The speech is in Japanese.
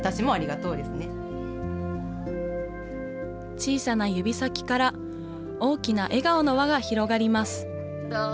小さな指先から大きな笑顔の輪が広がりますどう？